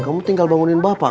kamu tinggal bangunin bapak